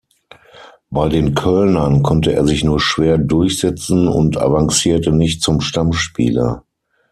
Bei den Kölnern konnte er sich nur schwer durchsetzen und avancierte nicht zum Stammspieler.